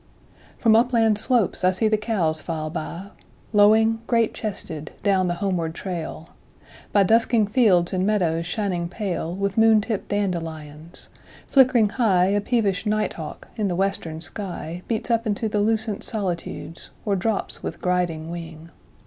1From upland slopes I see the cows file by,2Lowing, great chested, down the homeward trail,3By dusking fields and meadows shining pale4With moon tipped dandelions. Flickering high,5A peevish night hawk in the western sky6Beats up into the lucent solitudes,7Or drops with griding wing.